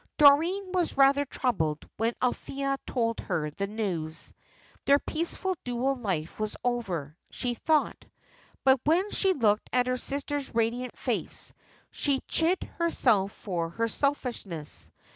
Doreen was rather troubled when Althea told her the news. Their peaceful dual life was over, she thought; but when she looked at her sister's radiant face she chid herself for her selfishness.